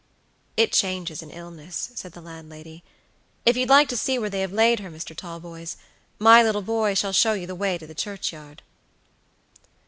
"It changes in illness," said the landlady. "If you'd like to see where they have laid her, Mr. Talboys, my little boy shall show you the way to the churchyard."